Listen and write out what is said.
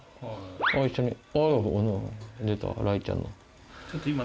あぁ一緒に出た雷ちゃんの。